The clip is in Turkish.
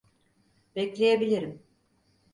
Bekleyebilirim.